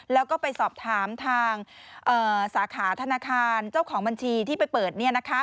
แล้วก็ไปสอบถามทางสาขาธนาคารเจ้าของบัญชีที่ไปเปิด